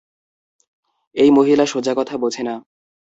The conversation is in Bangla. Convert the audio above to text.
এই মহিলা সোজা কথা বোঝে না।